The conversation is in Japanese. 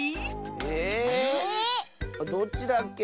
ええっ⁉どっちだっけ？